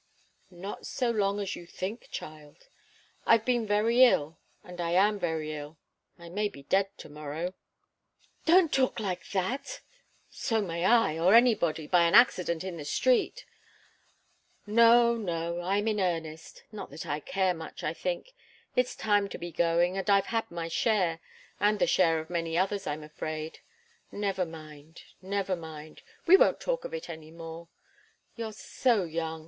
"Not so long as you think, child. I've been very ill, and I am very ill. I may be dead to morrow." "Don't talk like that! So may I, or anybody by an accident in the street." "No, no! I'm in earnest. Not that I care much, I think. It's time to be going, and I've had my share and the share of many others, I'm afraid. Never mind. Never mind we won't talk of it any more. You're so young.